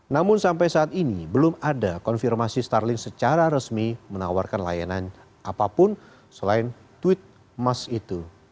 namun sampai saat ini belum ada konfirmasi starling secara resmi menawarkan layanan apapun selain tweet emas itu